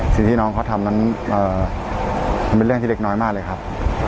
สิ่งที่น้องเขาทำนั้นมันเป็นเรื่องที่เล็กน้อยมากเลยครับ